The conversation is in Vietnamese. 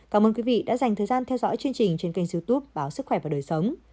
cảm ơn quý vị đã dành thời gian theo dõi chương trình trên kênh youtube báo sức khỏe và đời sống